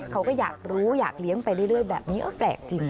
เขาก็อยากรู้อยากเลี้ยงไปเรื่อยแบบนี้ก็แปลกจริง